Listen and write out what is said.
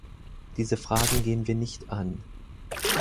Diese Fragen gehen wir nicht an.